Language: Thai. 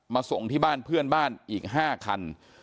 ส่งที่บ้านเพื่อนบ้านอีก๕คัน